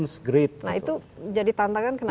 nah itu jadi tantangan kenapa